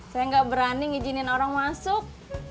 saya gak berani ngijinin orang masuk